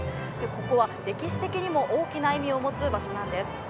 ここは、歴史的にも大きな意味を持つ場所なんです。